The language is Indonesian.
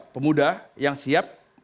pemuda yang siap